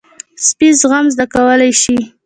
سپي زغم زده کولی شي.